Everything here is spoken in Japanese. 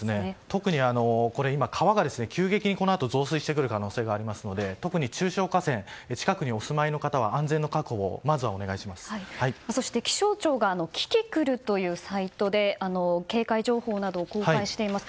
特に、川が急激にこのあと増水してくる可能性があるので特に中小河川近くにお住まいの方は気象庁がキキクルというサイトで警戒情報などを公開しています。